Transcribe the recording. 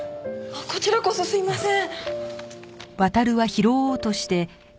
こちらこそすいません。